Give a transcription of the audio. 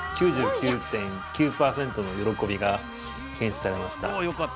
９９．９％の喜びが検出されました。